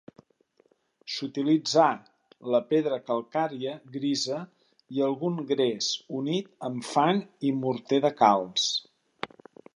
S'utilitzà la pedra calcària grisa i algun gres unit amb fang i morter de calç.